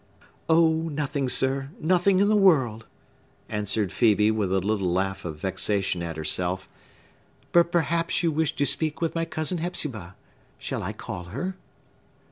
"Oh, nothing, sir—nothing in the world!" answered Phœbe, with a little laugh of vexation at herself. "But perhaps you wish to speak with my cousin Hepzibah. Shall I call her?"